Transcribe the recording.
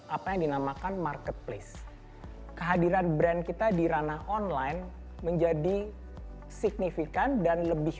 apa yang dinamakan marketplace kehadiran brand kita di ranah online menjadi signifikan dan lebih